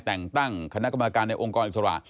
แต่งตั้งคณะกรรมการในองค์กรอิสระ